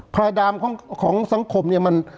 ภายดามของสังคมเนี่ยมัน